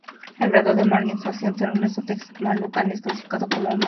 El grado de marginación de San Lorenzo Texmelucan es clasificado como Muy alto.